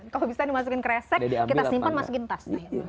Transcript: kalau bisa dimasukin ke resek kita simpan masukin tas